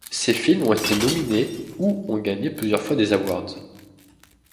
Ces films ont été nominés ou ont gagné plusieurs fois des Awards.